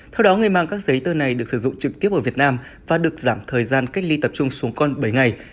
theo đó người mang các giấy tờ này được sử dụng trực tiếp ở việt nam và được giảm thời gian cách ly tập trung xuống con bảy ngày